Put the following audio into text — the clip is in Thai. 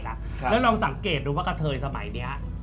แล้วลองสังเกตดูว่ากะเทยสมัยนี้